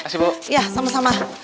terus ya sama sama